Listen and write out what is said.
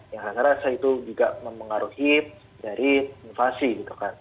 yang saya rasa itu juga mempengaruhi dari invasi gitu kan